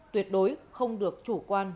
tuyệt đối không được chủ quan